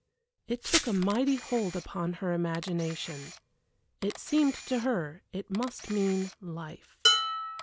It took a mighty hold upon her imagination. It seemed to her it must mean Life.